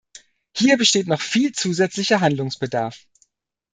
Hier besteht noch viel zusätzlicher Handlungsbedarf.